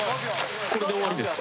これで終わりですか？